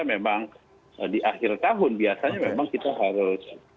memang di akhir tahun biasanya memang kita harus